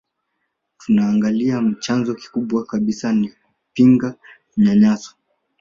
Tunaangalia chanzo kikubwa kabisa ni kupinga manyanyaso